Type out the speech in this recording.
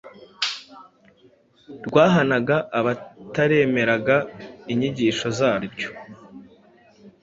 rwahanaga abataremeraga inyigisho zaryo,